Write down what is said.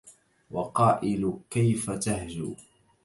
وقائل كيف تهجو